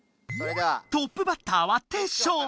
トップバッターはテッショウ！